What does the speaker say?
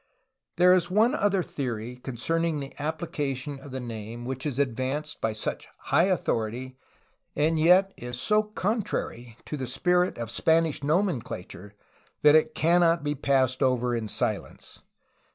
There is one other theory concerning the application of the name which is advanced by such high authority and yet is so contrary to the spirit of Spanish nomenclature that it cannot be passed over in silence.